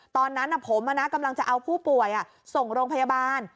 ตอนนั้นผมกำลังจะเอาผู้ป่วยส่งโรงพยาบาล